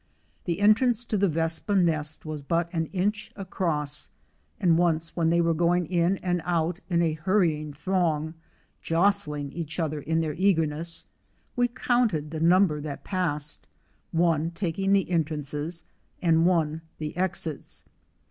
The en trance to the Vespa nest was but an inch across ; and once when they were going in and out in a hurrying throng, jostling each other in their eagerness, we counted the number that passed, one taking the entrances and one WASP EATING the exits.